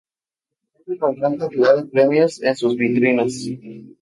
Cuenta con gran cantidad de premios en sus vitrinas.